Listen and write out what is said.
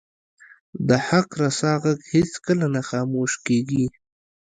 د حق رسا ږغ هیڅکله نه خاموش کیږي